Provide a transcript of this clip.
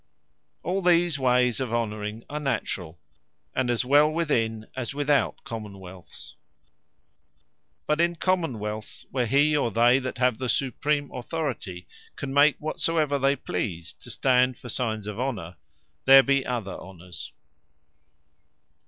All these wayes of Honouring, are naturall; and as well within, as without Common wealths. But in Common wealths, where he, or they that have the supreme Authority, can make whatsoever they please, to stand for signes of Honour, there be other Honours.